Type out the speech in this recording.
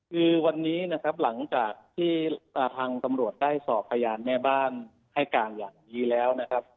คือวันนี้นะครับหลังจากที่ทางตำรวจได้สอบพยานแม่บ้านให้การอย่างนี้แล้วนะครับ